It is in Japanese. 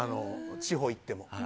地方に行っても。